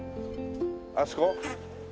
あそこ？